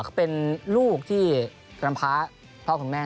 เขาเป็นลูกที่รำพาพ่อคุณแม่